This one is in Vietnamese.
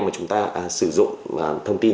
mà chúng ta sử dụng thông tin